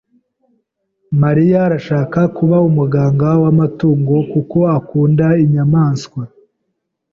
Mariya arashaka kuba umuganga w'amatungo kuko akunda inyamaswa.